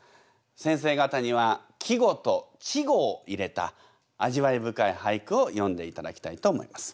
先生方には季語と稚語を入れた味わい深い俳句を詠んでいただきたいと思います。